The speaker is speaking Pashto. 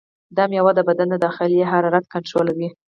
دا میوه د بدن د داخلي حرارت کنټرولوي.